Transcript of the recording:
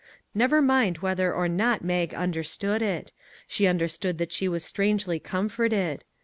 Never mind whether or not Mag un derstood it. She understood that she was strangely comforted.